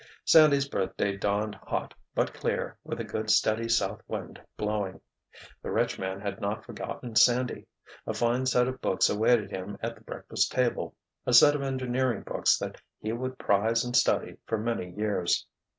Sandy's birthday dawned hot, but clear, with a good, steady south wind blowing. The rich man had not forgotten Sandy. A fine set of books awaited him at the breakfast table, a set of engineering books that he would prize and study for many years.